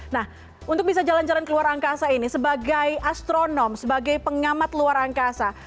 nah untuk bisa jalan jalan keluar angkasa ini sebagai astronom sebagai pengamat luar angkasa